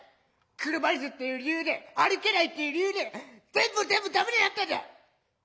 車いすっていう理由で歩けないっていう理由で全部全部駄目になったんだ！